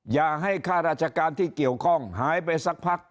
อย่าให้ค่าราชการที่เกี่ยวข้องหายไปสักพัก